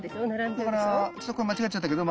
だからちょっとこれ間違っちゃったけど。